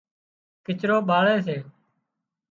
ڪچرو ٻاۯي سي